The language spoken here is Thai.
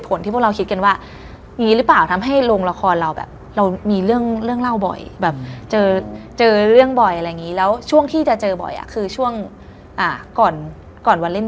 ผมก็แบบพี่ทำให้เหมือนคนมากพี่อืม